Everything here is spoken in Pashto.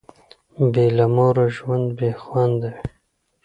بي له موره ژوند بي خونده وي